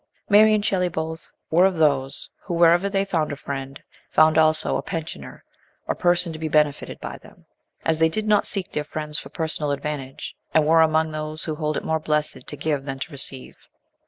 Mary and Shelley both were of those who, wherever they found a friend, found also a pensioner, or person to be benefited by them ; as they did not seek their friends for personal advantage, and were among those who hold it more blessed to give than to receive.